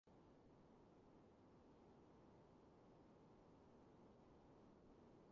Մանուկ ժամանակ անընդհատ զարգացնում էր նկարչական ընդունակությունները։